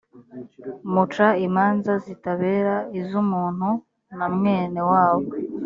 muca imanza zitabera iz umuntu na mwene wabo